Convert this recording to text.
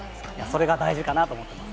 それが大事かなと思います。